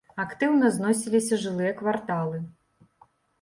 Актыўна зносіліся жылыя кварталы.